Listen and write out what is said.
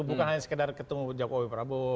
bukan hanya ketemu jk dan pak prabowo